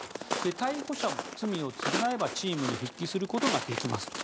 逮捕者も罪を償えばチームに復帰することができる。